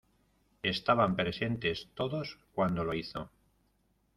Estaban presentes todos, cuando lo hizo.